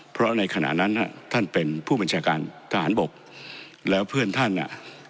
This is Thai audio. เพราะในขณะนั้นท่านเป็นผู้บัญชาการทหารบกแล้วเพื่อนท่านอ่ะ